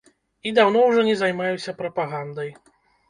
І даўно ўжо не займаюся прапагандай.